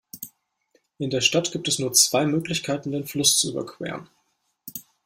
In der Stadt gibt es nur zwei Möglichkeiten, den Fluss zu überqueren.